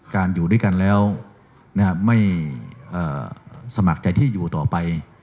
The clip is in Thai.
อยู่ด้วยกันแล้วไม่สมัครใจที่อยู่ต่อไป